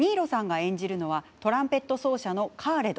演じるトランペット奏者のカーレド。